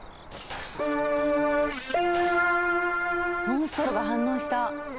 モンストロが反応した！